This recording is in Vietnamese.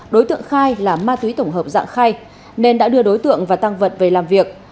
đối tượng khai là ma túy tổng hợp dạng khay nên đã đưa đối tượng và tăng vật về làm việc